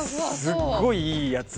すっごいいいやつで。